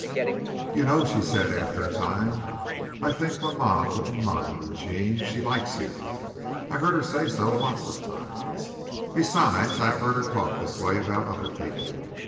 "You know," she said after a time, "I think mama wouldn't mind, Eugene. She likes you. I've heard her say so lots of times. Besides I've heard her talk this way about other people.